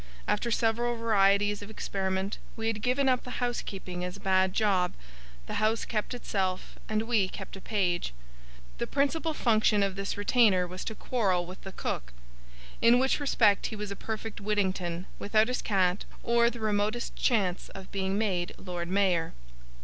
After several varieties of experiment, we had given up the housekeeping as a bad job. The house kept itself, and we kept a page. The principal function of this retainer was to quarrel with the cook; in which respect he was a perfect Whittington, without his cat, or the remotest chance of being made Lord Mayor.